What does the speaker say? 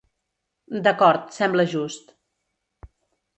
D'acord, sembla just.